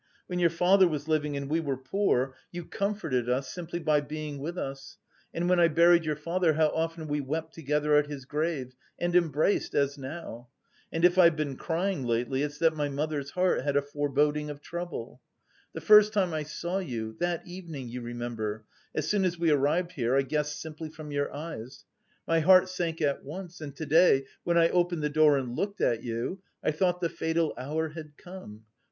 When your father was living and we were poor, you comforted us simply by being with us and when I buried your father, how often we wept together at his grave and embraced, as now. And if I've been crying lately, it's that my mother's heart had a foreboding of trouble. The first time I saw you, that evening, you remember, as soon as we arrived here, I guessed simply from your eyes. My heart sank at once, and to day when I opened the door and looked at you, I thought the fatal hour had come.